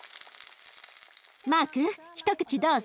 マーク一口どうぞ。